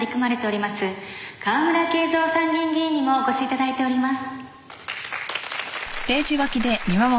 川村恵三参議院議員にもお越し頂いております。